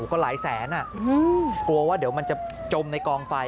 ก็หลายแสนกลัวว่าเดี๋ยวมันจะจมในกองไฟ